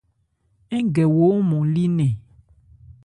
Ń gɛ wo ɔ́nmɔn li nnɛn.